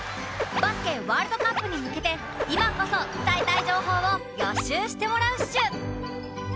バスケワールドカップに向けて今こそ伝えたい情報を予シューしてもらうっシュ！